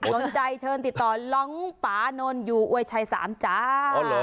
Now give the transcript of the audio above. สนใจเชิญติดต่อร้องปานนอยู่อวยชัย๓จ้า